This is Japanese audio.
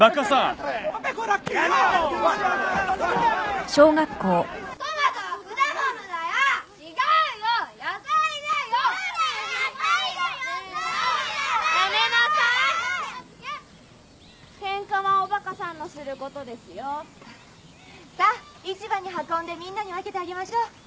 さあ市場に運んでみんなに分けてあげましょう。